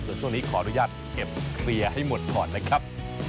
ส่วนช่วงนี้ขออนุญาตเก็บเคลียร์ให้หมดก่อนนะครับ